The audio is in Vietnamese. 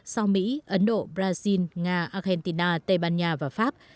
sau mỹ ấn độ brazil nga argentina tây ban nha và pháp